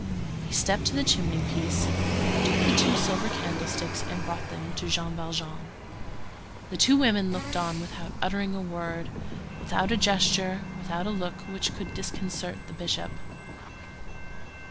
He stepped to the chimney piece, took the two silver candlesticks, and brought them to Jean Valjean. The two women looked on without uttering a word, without a gesture, without a look which could disconcert the Bishop.